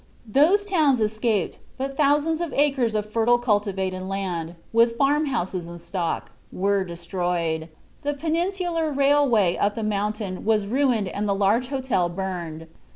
Those towns escaped, but thousands of acres of fertile cultivated land, with farm houses and stock, were destroyed. The peninsular railway up the mountain was ruined and the large hotel burned.